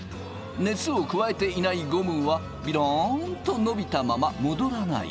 熱を加えていないゴムはビロンと伸びたままもどらない。